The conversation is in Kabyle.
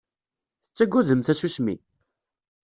Tettaggadem tasusmi?